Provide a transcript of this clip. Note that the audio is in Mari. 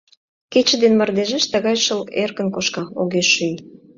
Кече ден мардежеш тыгай шыл эркын кошка, огеш шӱй...